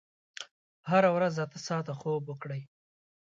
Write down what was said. هره ورځ اته ساعته خوب وکړئ.